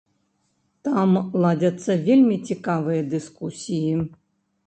Там ладзяцца вельмі цікавыя дыскусіі.